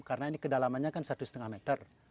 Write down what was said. karena ini kedalamannya kan satu lima meter